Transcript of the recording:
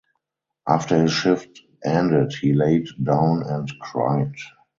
After his shift ended he laid down and cried.